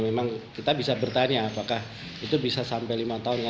memang kita bisa bertanya apakah itu bisa sampai lima tahun ya